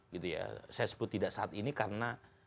saya sebut tidak saat ini karena